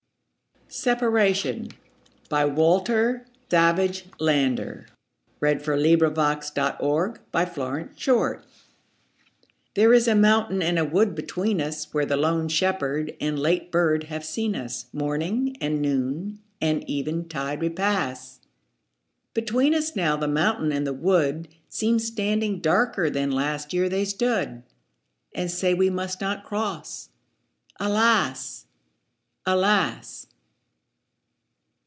erse: 1250–1900. Walter Savage Landor. 1775–1864 574. Separation THERE is a mountain and a wood between us, Where the lone shepherd and late bird have seen us Morning and noon and eventide repass. Between us now the mountain and the wood Seem standing darker than last year they stood, 5 And say we must not cross—alas! alas!